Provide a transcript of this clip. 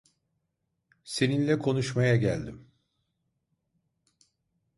Seninle konuşmaya geldim.